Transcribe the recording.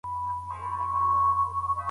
ميرمني له خپلي رضا څخه کله رجوع کولای سي؟